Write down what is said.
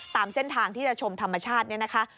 ตามเส้นทางที่จะชมธรรมชาติเนี่ยนะคะ